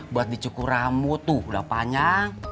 buat dicukur ramu tuh udah panjang